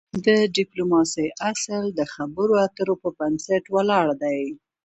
د د ډيپلوماسی اصل د خبرو اترو پر بنسټ ولاړ دی.